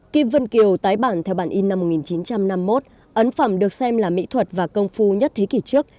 kim vân kiều tái bản theo bản in năm một nghìn chín trăm năm mươi một ấn phẩm được xem là mỹ thuật và công phu nhất thế kỷ trước